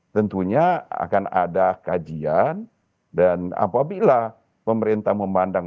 tentunya akan ada kajian dan apabila pemerintah memandang